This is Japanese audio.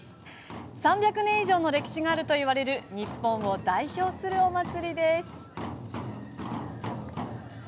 ３００年以上の歴史があるといわれる日本を代表するお祭りです。